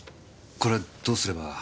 これどうすれば？